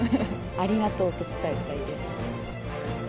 ありがとうと伝えたいです。